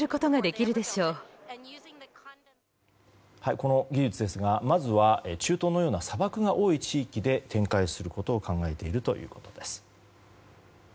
この技術ですが、まずは中東のような砂漠が多い地域で展開することを考えているということです。